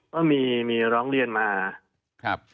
ก็มีร้องเรียนมาครับ